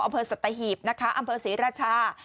อำเภอสัตหีบนะคะอำเภอศรีราชา